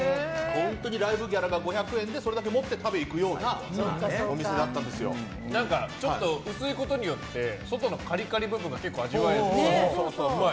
ライブのギャラが５００円でそれだけ持って食べに行くみたいなちょっと薄いことによって外のカリカリ部分が結構味わえて、うまい。